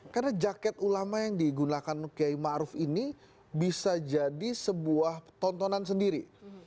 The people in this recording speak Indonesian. karena jaket ulama yang digunakan kay ma'ruf ini bisa jadi sebuah tontonan sendiri